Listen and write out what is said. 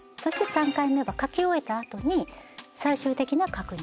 ３回目は書き終えたあとに最終的な確認。